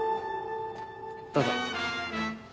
どうぞ。